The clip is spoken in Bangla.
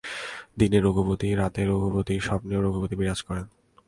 দিনে রঘুপতি, রাত্রে রঘুপতি, স্বপ্নেও রঘুপতি বিরাজ করেন।